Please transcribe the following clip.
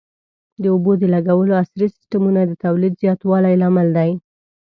د اوبو د لګولو عصري سیستمونه د تولید زیاتوالي لامل دي.